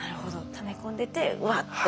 ため込んでてうわっと。